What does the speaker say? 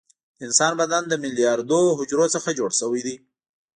د انسان بدن له میلیاردونو حجرو څخه جوړ شوى ده.